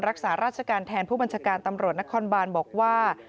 รักษาราชการแทนผู้บัญชาการตำรวจนครบานบอกว่า